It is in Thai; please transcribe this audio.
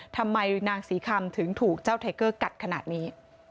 ทำไมนางศรีคำถึงถูกเจ้าไทเกอร์กัดขนาดนี้